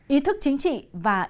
ý thức chính trị và tư tưởng cách mạng